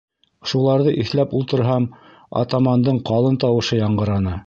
Шуларҙы иҫләп ултырһам, атамандың ҡалын тауышы яңғыраны.